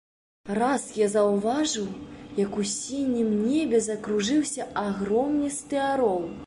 Раз я заўважыў, як у сінім небе закружыўся агромністы арол.